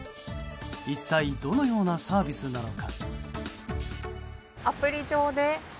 一体どのようなサービスなのか？